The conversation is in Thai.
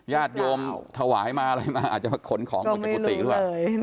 ญาติโยมถวายมาอะไรมาอาจจะมาขนของออกจากกุฏิหรือเปล่า